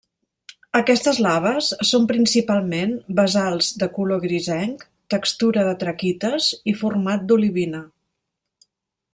Aquestes laves són principalment basalts de color grisenc, textura de traquites i format d'olivina.